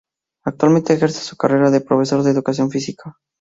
Actualmente ejerce su carrera de profesor de educación física.